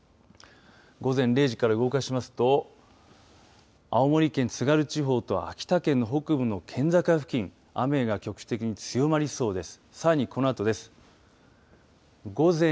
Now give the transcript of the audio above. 午前０時から動かしますと青森県津軽地方と秋田県北部の県境付近雨が局地的に強まりそうです。